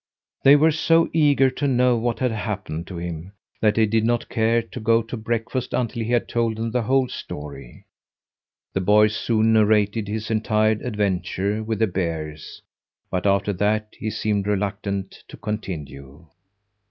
They were so eager to know what had happened to him that they did not care to go to breakfast until he had told them the whole story. The boy soon narrated his entire adventure with the bears, but after that he seemed reluctant to continue.